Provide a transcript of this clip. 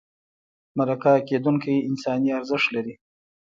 مرکه کېدونکی انساني ارزښت لري.